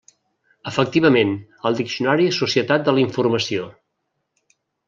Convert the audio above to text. Efectivament, el diccionari Societat de la informació.